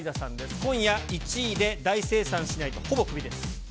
今夜、１位で大精算しないと、ほぼクビです。